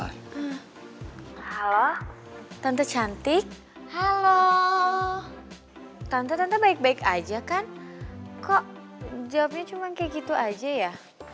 halo halo tante cantik halo tante tante baik baik aja kan kok jawabnya cuma kayak gitu aja ya